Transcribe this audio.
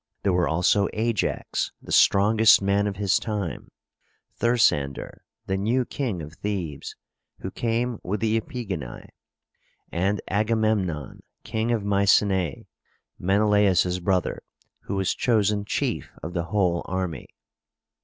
There were also A´jax, the strongest man of his time; Thersander, the new king of Thebes, who came with the Epigoni; and Ag a mem´non, King of Mycenæ, Menelaus' brother, who was chosen chief of the whole army.